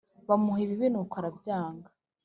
bamuha ibibi nuko arabyanga